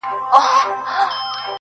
o ه تا ويل اور نه پرېږدو تنور نه پرېږدو.